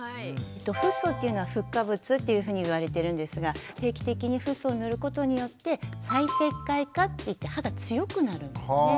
フッ素っていうのはフッ化物っていうふうにいわれてるんですが定期的にフッ素を塗ることによって再石灰化っていって歯が強くなるんですね。